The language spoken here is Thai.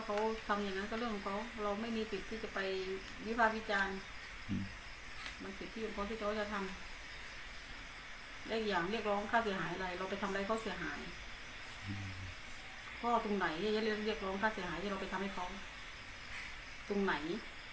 ตรงไหนที่บอกเขาจะเรียกร้องเรียกร้องกับเราเรียกตรงไหน